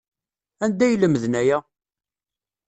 Anda ay lemden aya?